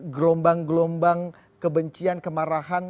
gelombang gelombang kebencian kemarahan